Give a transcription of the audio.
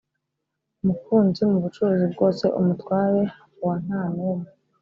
mukunzi mubucuruzi bwose, umutware wa ntanumwe